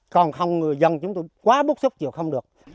còn không người dân chúng tôi quá bức xúc chiều không được